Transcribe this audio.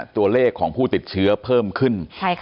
ตัวเลขของผู้ติดเชื้อเพิ่มขึ้น